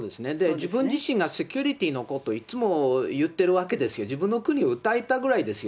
自分自身がセキュリティーのことをいつも言ってるわけですよ、自分の国を訴えたぐらいですよ。